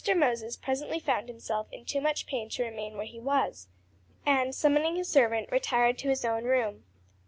Moses presently found himself in too much pain to remain where he was, and summoning his servant, retired to his own room.